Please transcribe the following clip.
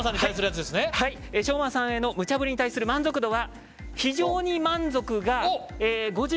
将魔さんへのムチャぶりに対する満足度は「非常に満足」が５５．４％。